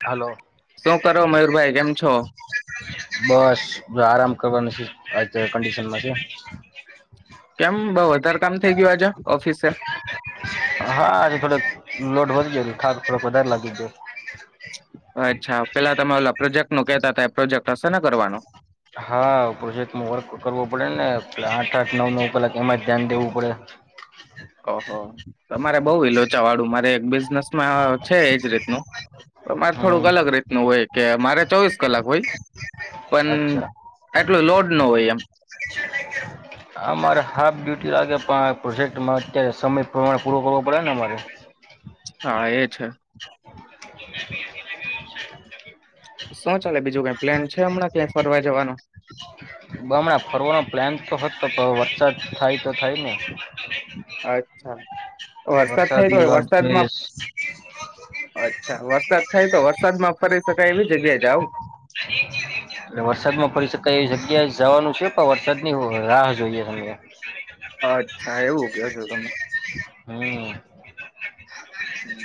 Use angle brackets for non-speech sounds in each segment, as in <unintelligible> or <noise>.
Hello. શું કરો મયુરભાઈ કેમ છો. બસ જો આરામ આજ તો કન્ડિસન છે કેમ બઉ વધારે કામ થઇ ગયું આજે ઓફિસે હા આજે થોડોક લોડ વધી જયો ખા થોડક વધારે લાગી ગાયો હ અચ્છા પેલા તમે લ પ્રોજેક્ટ નું કેહેતા હતા પ્રોજેક્ટ હશે ને કરવાનો. હા પ્રોજેક્ટમાં વર્ક કરવો પડે ને પ આઠ આઠ નવ નવ કલાક એમાં જ ધ્યાન દેવું પડે. હ હા. તમારે બઉુ લોચા વાળું મારે એક બિઝનેસમાં છે એજ રીતનું. મારે થોડુંક હમ અલગ રહે. નું હોય કે મારે ચોવીસ કલાક હોય. પણ અચ્છા આટલું લોડ ન હોય એમ. અમારે હાફ ડ્યુટી લાગે પણ આ પ્રોજેક્ટમાં અત્યારે સમય પ્રમાણે પૂરો કરવો પડે ને અમારે. હા એ છે. શુ ચાલે બીજું કઈ પ્લેન છે હમણાં ક્યાંય ફરવા જવાનું. બમણાં ફરવાનો પ્લાન તો હતો વરસાદ થાય તો થાય ને <inaudible> અચ્છા વરસાદ થઈ વરસાદની ગયો વાટ જોઈએ વરસાદમાં એટલે અચ્છા વરસાદ થાય તો વરસાદ માં ફરી શકાય એવી જગ્યા જાવ એટલે વરસાદ માં ફરી શકાય એવી જગ્યા જવાનું છે પણ વરસાદની રાહ જોઈએ હવે અચ્છા એવું કેશો તમે હમ. હમ.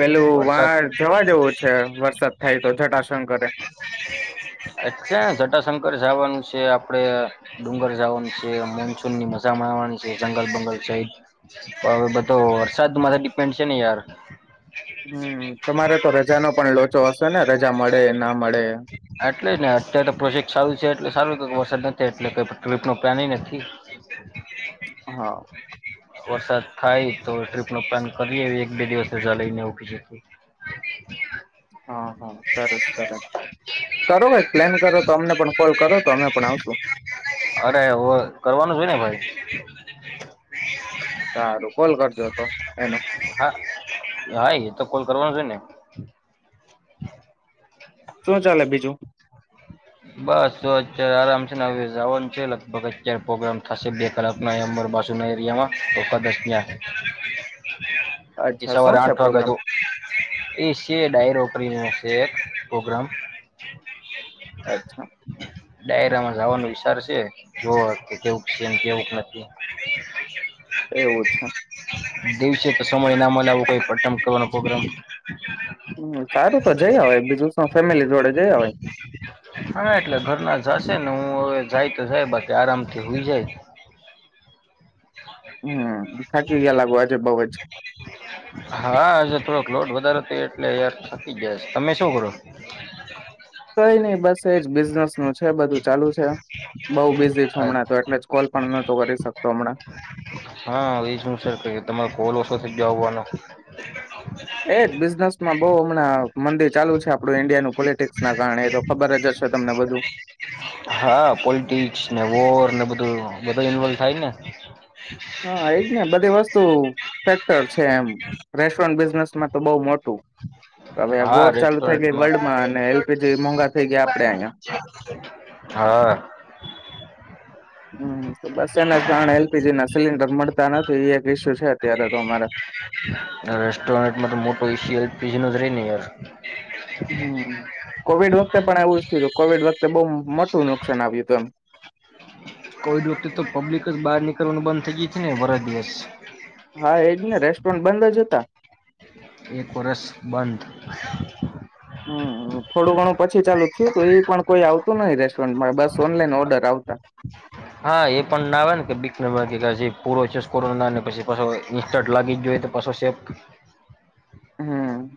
પેલું વરસાદ વાર જવા જેવું છે વરસાદ થાય તો જટાશંકરે એટલે જટાશંકર જવાનું છે આપડણે ડુંગર જવાનું છે મોનસૂનની મજા માણવાની છે જંગલ બંગલ સહિત તો હવે બધો વરસાદ માંથી ડિપેન્ડ છે ને યાર હમ તમારે તો રજાનો પણ લો ચો હશે ને રજા મળે ના મળે એટલે જ ને અત્યારે તો પ્રોસેેક્ટ સારું છે એટલે સારું વરસાદ નથી એટલે કઈ ટ્રીપ નો પ્લાન નથી હા. વરસાદ થાય તો ટ્રીપ નો પ્લાન કરીએ એક બે દિવસ રજા લઈને હા હા સરસ સરસ કરો કઈ પ્લેન કરો તો અમને પણ કોલ કરો તો અમે પણ આવશું. અરે હોય કરવાનું હોય ને ભાઈ. સારું કોલ કરજો તો એનો. હા હા એ તો કોલ કરવો છે ને. શું ચાલે બીજું બસ જો અત્યારે આરામ છે. ને હવે જાવાનું છે લગભગ અત્યારે પ્રોગ્રામ થશે બે કલાકમાં અહ્યા અમારા બાજુ એરિયામા તો કદાચ ત્યાં. એ અચ્છા શું સવારે છે આઠ વાગે પ્રોગ્રામ હતો એ સે ડાયરો. ફ્રી માં શે પ્રોગ્રામ. અચ્છા. ડાયરામાં જવાનો વિચાર છે. જોવ કેવું છે કેવુંક નથી. એ ઓછા. દિવસે તો સમયના મળે આવું કોઈ પટમ કરવાનો પ્રોગ્રામ હમ્મ સારું તો જઈ અવાય બીજું શું ફેમિલી જોડે જઈ અવાય. આ જશે ને હું હવે જાય તો જાય બાકી આરામથી હોઈ જાય. હમ્મ થાકી ગયા લાગો આજ. હા આજે થોડોક લોડ વધારે એટલે યાર થાકી જાય છે તમે શું કરો છો? કાઈ નહી બસ તેજ બિઝનેસ નું છે બધું ચાલુ છે બહુ બિઝી હમણાં તો એટલે જ કોલ પણ નતો કરી શકતો હમણાં. પોતે જવાનો. એજ બિઝનેસમાં બહુ હમણાં મંદી ચાલુ છે આપણું ઈન્ડિયાનું પોલિટિક્સ ના કારણે એ તો ખબર જ હશે. તમને બધું હા. વોર ને બધું ઇનવોલ થાય ને. હા એજ ને બધી વસ્તુ ફેક્ટર છે એમ રેસ્ટોરન્ટ બિઝનેસમાં તો બહુ મોટું હવે આ વોર હા ચાલુ થઇ ગઈ રેસ્ટોરન્ટમાં વર્લ્ડમાં, અને એલ પી જી મોઘા થઇ ગયા આપ હા. હમ્મ તો બસ એના કારણે એલ પી જી ના સિલિન્ડર મળતા નથી એ એક ઈસ્યુ છે અત્યારે તો અમારા. જીનુદ્રી યર. હમમ કોવિડ વખતે પણ આવું જ. તો કોવિડ વખતે બહુ મોટું નુકસાન આયવુ તું એમ. કોવિડ વખતે તો પબ્લિક જ બહાર નીકળવાનું બંધ થઈ ગઈ તી ને બરા દિવસ. હા એજ ને રેસ્ટોરન્ટ બંધ જ હતા, એક વરસ બંધ હ અ થોડું ઘણું પછી ચાલુ થયું તો એ પણ કોઈ આવતું નહીં રેસ્ટોરન્ટ હા એ પણ ના આવે ને કે <unintelligible> <unintelligible> પછી પાછો ઈન્સટન્ટ લાગી ગયો હોય તો પાછો શેપ. હમ્મ.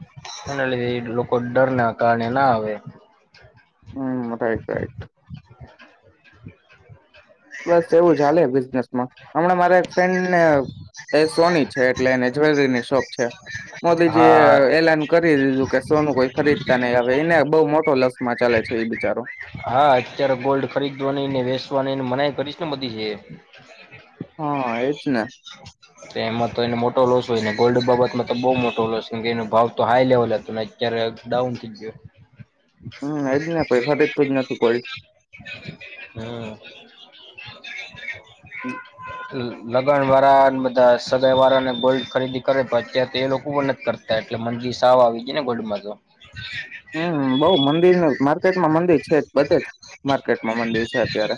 એના લીધે ઈ લોકો ડરના કારણે ના આવે. Hmm, right right. બસ, એવું જ હાલે બિઝનેસમાં. હમણાં મારા એક ફ્રેન્ડને એ સોની છે. એટલે એને જ્વેલરીની શોપ છે. મોદીજી એ હા એલાન કરી દીધું કે સોનું કોઈ ખરીદતા નઈ. હવે એને બઉ મોટો લસમાં ચાલે છે ઈ બિચારો. હા, અત્યારે ગોલ્ડ ખરીદવાની ને વેસવાનીને મનાઈ કરીસ ને મોદીજીએ. હા, એજ ને. તો એમાં તો એનો મોટો લોસ હોય, ને ગોલ્ડ બાબતમાં તો બો મોટો લોસ, કેમ કે એનો ભાવ તો હાઈ લેવલ હતો ને અત્યારે ડાઉન થઈ ગયો. હમ્મ. એજ ને. કોઈ ખરીદતું જ નથી ગોલ્ડ. હમ હમ્મ. લગન વાળાન બધા સગાઈ વાળા ને ગોલ્ડ ખરીદી કરે પણ અત્યારે તો એ લોકોય નથી કરતા એટલે મંદી સાવ આવી ગઈ ને ગોલ્ડ માં તો. હમ્મ. બહ મંદીનું માર ર્કેટમાં મંદી છે જ બધે જ માર્કેટ મા મંદી છે અત્યારે.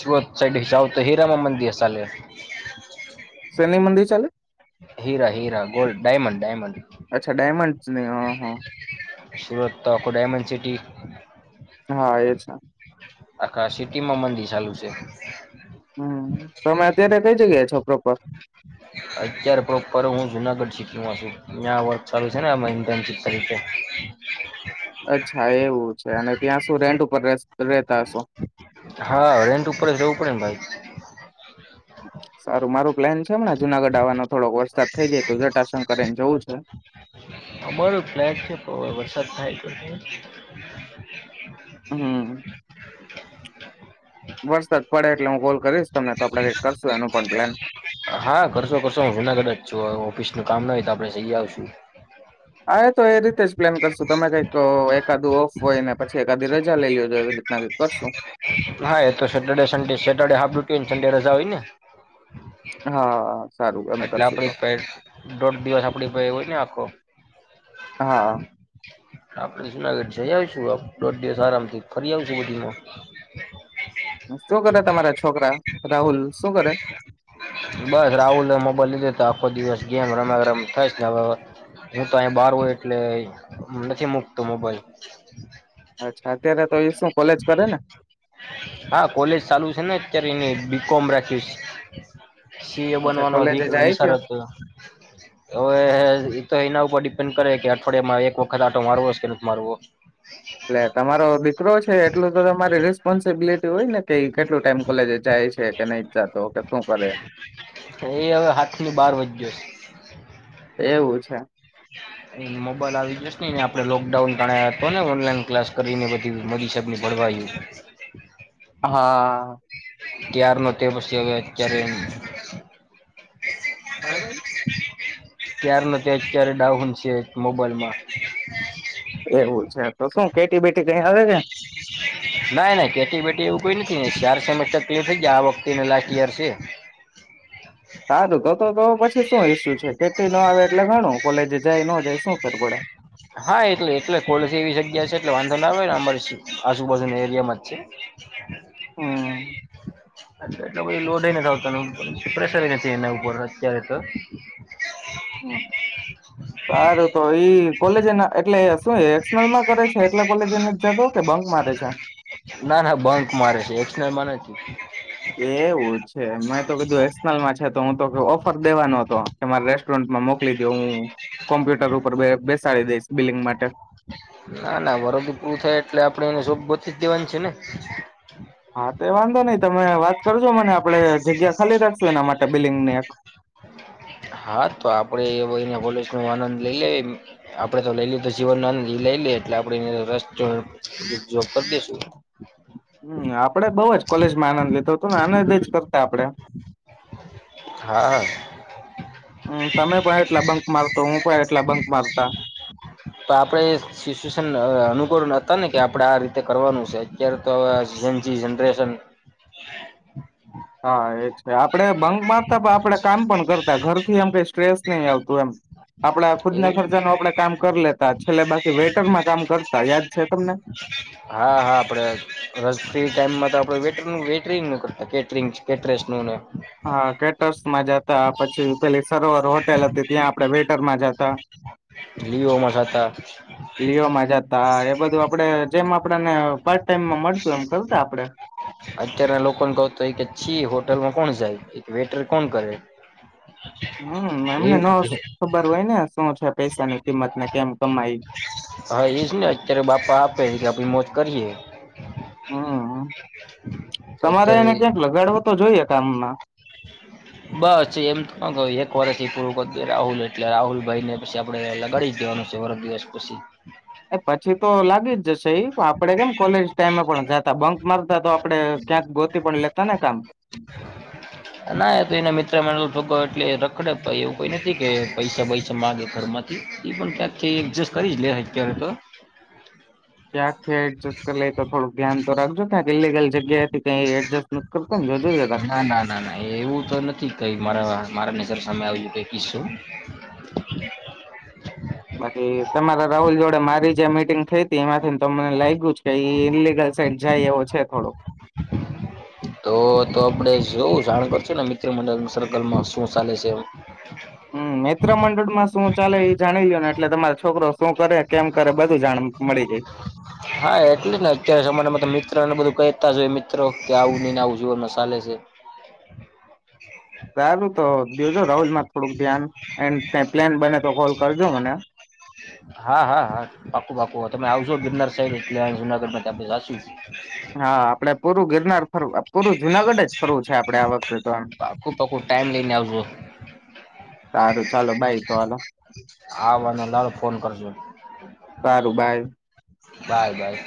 સુરત સાઈડે ચાલતે હિરામા મંદિર ચાલે. શેની મંદિર ચાલે? હીરા હીરા ગોલ્ડ ડાયમંડ ડાયમંડ. સ્ને હ હ. સુરત તો આખુ ડાયમંડ સિટી. હા એજ. આખા સિટીમાં મંદી ચાલુ છે. હમ તમે અત્યારે કઈ જગ્યાએ છો? પ્રોપર? અત્યારે પ્રોપર હું જુનાગઢ સીટીમાં છું ત્યાં વર્ગ ચાલુ છે ને <unintelligible> અચ્છા એવું. અને ત્યાં શું રેન્ટ ઉપર રેતા હશો. હા રેન્ટ ઉપર જ રેવું પડે ને ભાઈ. સારું મારું પ્લેન છે હમણા જુનાગઢ આવવાનો થોડોક વરસાદ થઇ જાય તો જટાશંકર એને જવું છે. અમારો ફ્લેટ છે વરસાદ થાય તો હમ. વરસાદ પડે એટલે હું કોલ કરીશ. તમને તો આપડે કઈ કરશું આનું પણ પ્લાન. હા કરશો કરશો હું જુનાગઢ જ છું ઓફિસ નું કામ નય તો આપડે જઈ આવશું. હા એ તો એ રીતે જ પ્લેન કરશું તમે કઈક એકાદું ઓફ હોય ને પછી એકાદી રજા લઈજો એવી રીતના કઈક કરશું હા એ તો સેટરડે સડે સટરડે હાફ ડૂટી ન સન્ડે રજા હોય ને. હા. સારું એમ એટલે કરશું તો આપડી પાહે દોઢ દિવસ આપડી ભાઈ હોય ને આખો. હા આપણે જુનાગઢ જઈ આવીશું દોઢ દિવસ આરામથી ફરી આવશું બધીમાં શું કરે તમારા છોકરા રાહુલ શું કરે બસ રાહુલ મોબાઈલ લીધો તો આખો દિવસ ગેમ રમા ગરમ થાય ને હવે હું તો અહી બહાર એટલે નથી મુકતો મોબાઈલ અચ્છા અત્યારે તો એ શું કોલેજ કરે ને બિકમ રાખીશ સી એ અચ્છા બનવાનો વિસ કોલેજે જાય કે વર્ષ થયાં હવે એના ઉપર ડિપેન્ડ કરે કે અઠવાડિયામાં એક વખત આટો મારવો કે નથી મારવો એટલે તમારો દીકરો છે એટલું તો તમારી રિસ્પોન્સિબિલિટી હોય ને કે કેટલું ટાઈમ કોલેજ જાય છે કે નઈ જતો કે શું કરે એ હવે હાથની બહાર વધજો છે એવું છે એ મોબાઈલ આવી જશે ને આપે લોકડાઉન ત હતો ને ઓનલાઈન ક્લાસ કરીને બધી મરી સાબની ભણવા હા ત્યાર નો તેર પછી આવ કેયા રે ક્યાર નથી તે અત્યારે ડાઉન છે મોબાઈલમાં એવું છે તો શું ખટી બેટી કઈ આવે છે ના ના કેટી બેટી એવું કોઈ નથી શાર સસ્ટર તકલીફ થઈ ગયા આ વખતે લાસ્ટ ઈયર છે સારું તો તો તો પછી શું હ કેટલી ન આવે એટલે ઘણું કોલેજ જાય ન જયસ કરરબડા <inaudible> હા એટલે એટલે કોલસી એવી જગ્યા છે એટલે વાંધો ના આવે ને અમારી આજુબાજુના એરિયામાં જ છે હા એટલે લોડ નથી આવતા પી પ્રેશર નથી એના ઉપર અત્યારે તો તાર તો એ કોલેજ એ એટલે શું એક્લમાં કરે છે એટલે કોલેજને જતો કે બંક મારે છે ના ના બંક મારે છે એક્સ નામાં નથી એવું છે મેં તો કીધું એસનલમાં છે તો હું તો ઓફર દેવાનો હતો કે મારે રેસ્ટોરન્ટમાં મોકલી દ હું કોમ્પ્યુટર ઉપર બેસાડી દઈશ બિલિંગ માટે ના ના વરડી પૂરું થાય એટલે આપે એને શોપ બતી જ દેવાની છે ને હા તો વાંધો નહીિ તમે વાત કરજો મને આપણે જગ્યા ખાલી રાખશું એના માટે બિલ્ડિંગની એક હા તો આપડે એ એનાલે નો આનંદ લઈ લે આપડે તો લઈ લ તો જીવન નો આનંદ લઈ લે એટલે આપે એબ કરી દેશું હમ આપડે બઉ જ કોલેજમાં આનંદ લેતો તો આનદ જ કરતા આપડે હા હ હમ તમે પણ એટલા બંક મારતો હું એટલા બંક મારતા તો આપડે સિચ્યુએશન અનુકરણ હતા ને કે આપડે આ રીતે કરવાનું છે અત્યારે તોવે જનજી જનરેશન હા એ જ આપડણે ભંક મારતા પણ આપણેે કામ પણ કરતા ઘરથી એમ કઈ સ્ટ્રેસ નહી આવતું એમ આપડા ખુદના એવું ખર્ચાનું આપણેે કામ કરી લેતા છેલ્લે બાકી વેટરમાં કામ કરતા યાદ છે તમને હા હા કે કેટરિંગ નું કરતા કેટરંગ કેટરેર્રનુંને એવુ હા કેટર્સમાં જતા પછી પેલી સરોવર હોટેલ હતી ત્યાં આપણે વેટરમાં જતા લીઓમાં થતા લિઓમાં જતા એ બધું આપણે જેમ આપને પાર્ટ ટાઈમમાં મળતું એમ કરતાડે અત્યારના લોકોને કહ તો હોય કેછી હોટલમાં કોણ જાય એક વેટર કોણ કરે હમ એ એમને ન ખબર હોય ને શું છે પૈસાની કિંમત ને કેમ કમાય હા એજ ને અત્યારે બાપા આપે કે આપડી મોજ કરીએ હમ તમારે એને અત્યારે ક્યાંક લગાડવો તો જોઈએ કામ બસ એમ એક વર્ષ ઈ પૂરું કરીદે રાહુલ એટલે રાહુલ ભાઈ ને પછી આપણે લગાડી જવાનું છે વર્ગ દિવસ પછી એ પછી તો લાગી જ જશે આપડે કેમ કોલેજ ટાઈમે પણ જાતા બંક મારતા તો આપડે ક્યાંક ગોતી પણ લેતા ને કામ ના તો એના મિત્ર મ થો એટલે રખડે એવું કોઈ નથી કે પૈસા પૈસા માગે ઘર માંથી એ પણ ત્યાંકથી એડજસ્ટ કરી જ લે અત્યારે તો ક્યાંક થી એડજસ્ટ કરી લે તો થોડું ધ્યાન તો રાખજો ક્યાં ઇિગલ જગ્યા થી કઈ એડજસ્ટ નથી કરતો ને જોજો જરાક ના ના ના ના એવું તો નથી કઈ મારા મારા નજર સામે આવું કઈ કીશો બાકી તમારા રાહુલ જોડે મારી જે મીટિંગ થઈ હતી એમાંથી તો મને લાગ્યું જ કે ઈલિગલ સાઈડ જાય એવો છે થોડો આપણે જોવુંશે જાણ કરશું ને મિત્ર મંડળ સર્કલમાં શું ચાલે છે હમ મિત્ર મંડળમાં શું ચાલે એ જાણી લોયો ને એટલે તમારો છોકરો શું કરે કેમ કરે બધું જાણ મળી જાય હા એટલે ને અત્યારે જમાનામાં તો મિત્ર ને બધું કહેતા હોએ મિત્રો કે આવું ને આવું જો ન સક હાલે છે સારું તો જોજો રાહુલ માં થોડુંક ધ્યાન એન્ડ ક પ્લેન બને તો કોલ કરજો મને જો ગિરનાર સઈદ એટલે જુનાગઢ માં આપદે જાસૂસ હા આપડે પૂરું ગિરનાર ફર પૂરું જુનાગઢ જ ફરવું છે આપડે આ વખતે તો આ પાકું પાકું ટાઈમ લઈને આવજો સારું ચાલો બાઈ તો હાલો હાને લાડ ફોન કરજો સારું બાઈ. Bye bye.